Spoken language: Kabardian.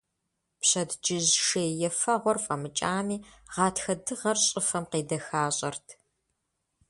Пщэдджыжь шей ефэгъуэр фIэмыкIами, гъатхэ дыгъэр щIыфэм къедэхащIэрт.